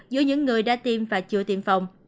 giữa những người đã tiêm và chưa tiêm phòng